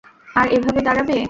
আর এভাবে দাঁড়াবে।